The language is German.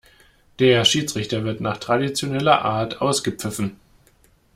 Der Schiedsrichter wird nach traditioneller Art ausgepfiffen.